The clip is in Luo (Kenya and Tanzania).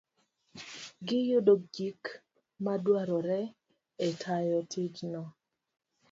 giyudi gik madwarore e tayo tijno.